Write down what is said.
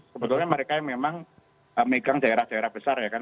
sebetulnya mereka memang megang daerah daerah besar ya kan